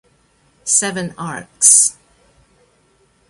Seven Arcs